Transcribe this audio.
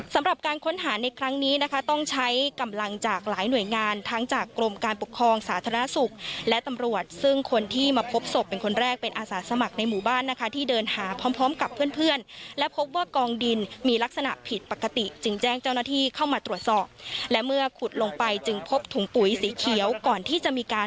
สำหรับการค้นหาในครั้งนี้นะคะต้องใช้กำลังจากหลายหน่วยงานทั้งจากกรมการปกครองสาธารณสุขและตำรวจซึ่งคนที่มาพบศพเป็นคนแรกเป็นอาสาสมัครในหมู่บ้านนะคะที่เดินหาพร้อมพร้อมกับเพื่อนเพื่อนและพบว่ากองดินมีลักษณะผิดปกติจึงแจ้งเจ้าหน้าที่เข้ามาตรวจสอบและเมื่อขุดลงไปจึงพบถุงปุ๋ยสีเขียวก่อนที่จะมีการ